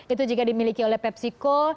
itu juga dimiliki oleh pepsico